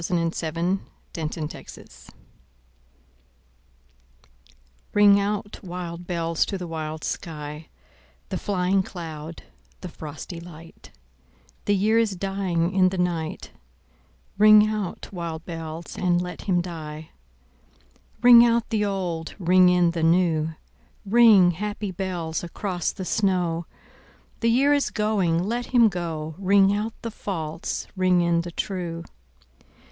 Alfred, Lord Tennyson Ring Out, Wild Bells RING out, wild bells, to the wild sky, The flying cloud, the frosty light; The year is dying in the night; Ring out, wild bells, and let him die. Ring out the old, ring in the new, Ring, happy bells, across the snow: The year is going, let him go; Ring out the false, ring in the true.